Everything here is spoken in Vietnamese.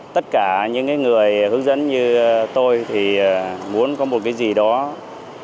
tất cả những người hướng dẫn như tôi thì muốn có một cái gì đó đặc trưng